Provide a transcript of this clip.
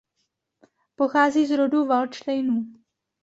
Pochází z rodu Valdštejnů.